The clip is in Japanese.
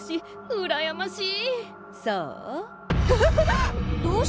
うらやましい！